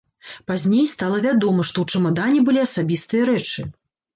Пазней стала вядома, што ў чамадане былі асабістыя рэчы.